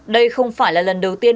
đây không phải là lần đầu tiên